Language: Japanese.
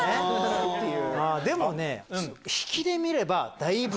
でもね引きで見ればだいぶ近い。